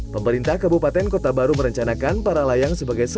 pemerintah kabupaten kota baru merencanakan para layang sebagai solusi